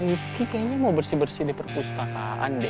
si rifki kayaknya mau bersih bersih di perpustakaan deh